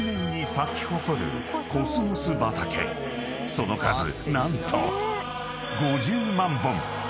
［その数何と］